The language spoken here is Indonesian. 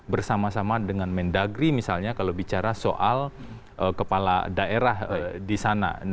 bersama sama dengan mendagri misalnya kalau bicara soal kepala daerah di sana